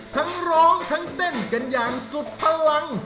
ทั้งร้องทั้งเต้นกันอย่างสุดพลัง